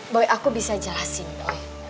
boy aku bisa jelasin boy